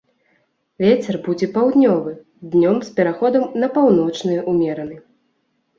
Вецер будзе паўднёвы, днём з пераходам на паўночны ўмераны.